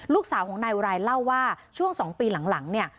ลูกสาวของนายอุไรเล่าว่าช่วง๒ปีหลังเนี่ย